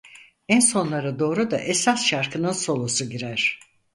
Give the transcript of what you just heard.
En sonlara doğru da esas şarkının solosu girer.